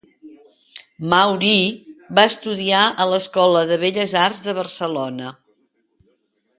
Maurí va estudiar a l'Escola de Belles Arts de Barcelona.